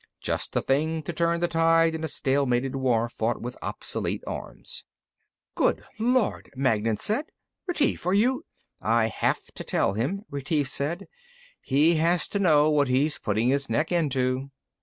Just the thing to turn the tide in a stalemated war fought with obsolete arms." "Good lord!" Magnan said. "Retief, are you " "I have to tell him," Retief said. "He has to know what he's putting his neck into."